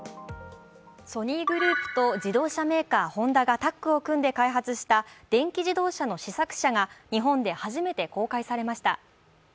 ソニーグループと自動車メーカーホンダがタッグを組んで開発した電気自動車の試作車が日本で初めて公開されました。